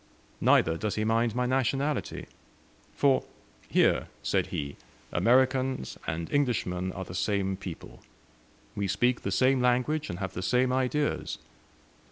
Neither does he mind my nationality; for 'here,' said he, 'Americans and Englishmen are the same people. We speak the same language and have the same ideas.'